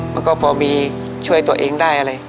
มันก็พอมีช่วยตัวเองได้อะไร